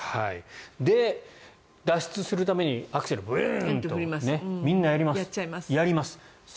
で、脱出するためにアクセルをブーンとみんなやります。